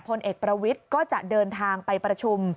พลเอกประวิทย์ก็จะเดินทางไปประชุม